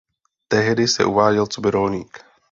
Tehdy se uváděl coby rolník.